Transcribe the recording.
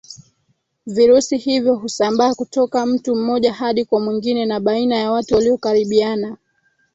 Virusi hivyo husambaa kutoka mtu mmoja hadi kwa mwingine na baina ya watu waliokaribiana